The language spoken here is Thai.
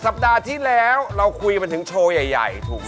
สัปดาห์ที่แล้วเราคุยกันถึงโชว์ใหญ่ถูกไหม